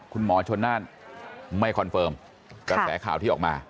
คุณหมอชนน่านไม่คอนเฟิร์มกระแสข่าวที่ออกมา